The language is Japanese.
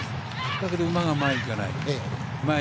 だけど馬が前にいかない。